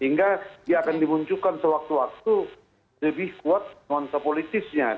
sehingga dia akan dimunculkan sewaktu waktu lebih kuat nuansa politisnya